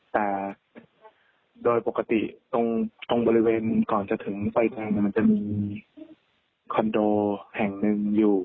แต่โดยปกติตรงบริเวณก่อนจะถึงไฟแดงมันจะมีคอนโดแห่งหนึ่งอยู่